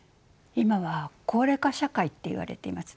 今は高齢化社会っていわれていますね。